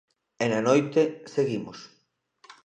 E na noite, seguimos.